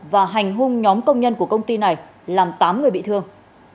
và hành hung nhóm công nhân của công ty này làm tám người bị thương